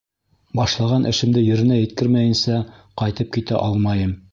Башлаған эшемде еренә еткермәйенсә ҡайтып китә алмайым.